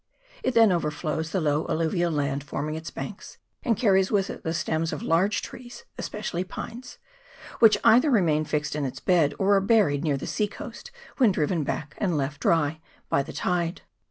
It then overflows the low alluvial land forming its banks, and carries with it the stems of large trees, especially pines, which either remain fixed in its bed, or are buried near the sea coast when driven back and left dry by the tide.